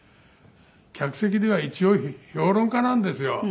客席では一応評論家なんですよ。